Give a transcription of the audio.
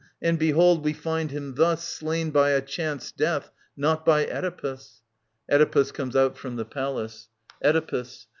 And behold we find him thus Slain by a chance death, not by Oedipus. [Oedipus comes out from the Palace. Oedipus.